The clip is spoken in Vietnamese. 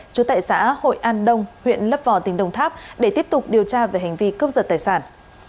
trú tại xã hội an đông huyện lấp vò tỉnh đồng tháp để tiếp tục điều tra về hành vi cướp giật tài sản